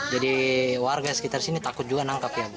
jadi warga sekitar sini takut juga nangkap ya